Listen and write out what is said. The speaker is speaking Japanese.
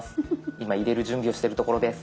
今入れる準備をしてるところです。